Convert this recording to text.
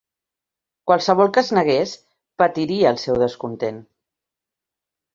Qualsevol que es negués "patiria el seu descontent".